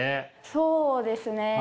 そうですね。